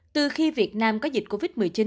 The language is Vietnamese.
từ khi việt nam có dịch covid một mươi chín